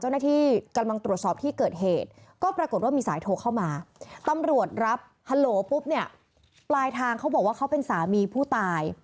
ฮัลโหลปุ๊บเนี้ยปลายทางเขาบอกว่าเขาเป็นสามีผู้ตาย